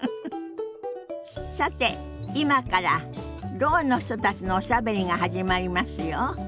さて今からろうの人たちのおしゃべりが始まりますよ。